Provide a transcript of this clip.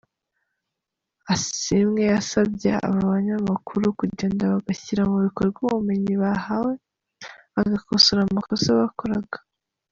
Asiimwe yasabye aba banyamakuru kugenda bagashyira mu bikorwa ubumenyi bahawe, bagakosora amakosa bakoraga.